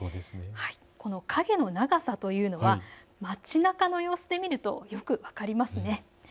この影の長さというのは街なかの様子で見るとよく分かりますね。